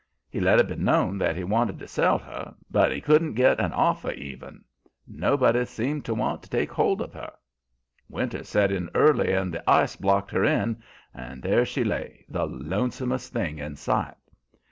He let it be known about that he wanted to sell her, but he couldn't git an offer even; nobody seemed to want to take hold of her. Winter set in early and the ice blocked her in, and there she lay, the lonesomest thing in sight.